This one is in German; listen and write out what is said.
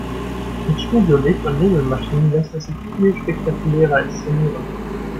Mit Studiolicht und Nebelmaschinen lässt es sich viel spektakulärer inszenieren.